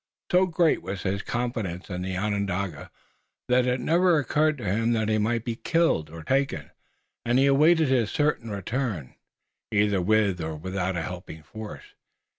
So great was his confidence in the Onondaga that it never occurred to him that he might be killed or taken, and he awaited his certain return, either with or without a helping force.